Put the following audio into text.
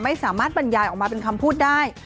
ไม่สามารถบรรยายออกมาเป็นคำพูดได้